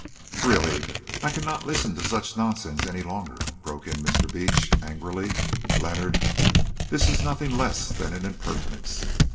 "Really, I cannot listen to such nonsense any longer," broke in Mr. Beach angrily. "Leonard, this is nothing less than an impertinence.